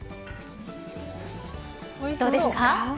どうですか。